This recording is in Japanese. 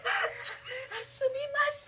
すみません。